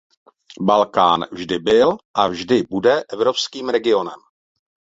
Balkán vždy byl a vždy bude evropským regionem.